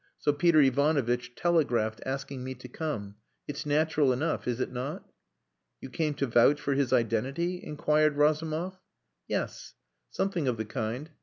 So Peter Ivanovitch telegraphed, asking me to come. It's natural enough, is it not?" "You came to vouch for his identity?" inquired Razumov. "Yes. Something of the kind.